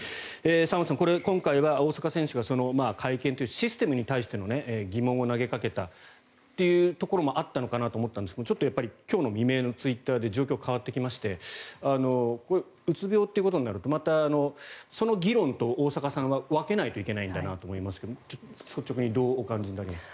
沢松さん、今回大坂選手は記者会見というシステムに対する疑問を投げかけたというところもあったのかなと思ったんですがちょっと今日の未明のツイッターで状況が変わってきましてうつ病ということになるとまたその議論と大坂さんは分けないといけないと思いますが率直にどうお感じになりますか。